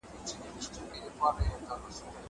کالي د مور له خوا وچول کيږي!